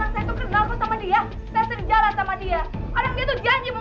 saya kita pacarnya di kampung